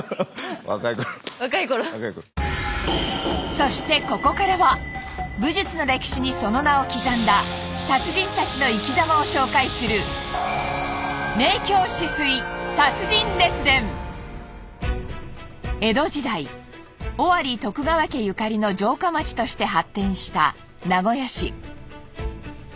そしてここからは武術の歴史にその名を刻んだ達人たちの生きざまを紹介する江戸時代尾張徳川家ゆかりの城下町として発展した名古屋市。